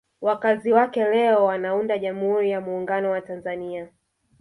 Wakazi wake leo wanaunda Jamhuri ya Muungano wa Tanzania